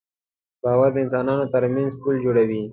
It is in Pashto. باور د انسانانو تر منځ پُل جوړوي.